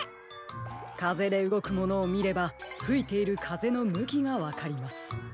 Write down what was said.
かぜでうごくものをみればふいているかぜのむきがわかります。